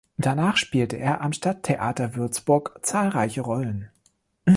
Danach spielte er am Stadttheater Würzburg zahlreiche Rollen.